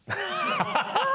ハハハハ！